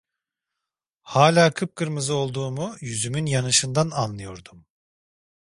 Hala kıpkırmızı olduğumu, yüzümün yanışından anlıyordum.